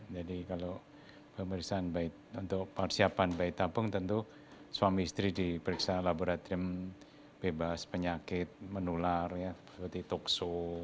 jadi kalau pemeriksaan untuk persiapan bayi tabung tentu suami istri diperiksa laboratorium bebas penyakit menular seperti tukso